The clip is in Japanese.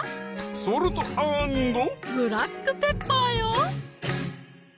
ソルトアンドブラックペッパーよ！